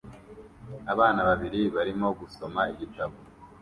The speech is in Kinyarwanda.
Abana babiri barimo gusoma igitabo